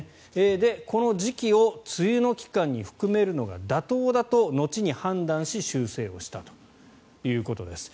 この時期を梅雨の期間に含めるのが妥当だと後に判断し修正したということです。